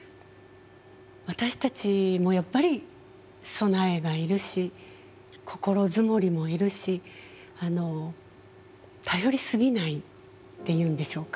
私たちもやっぱり備えが要るし心積もりも要るし頼り過ぎないっていうんでしょうか。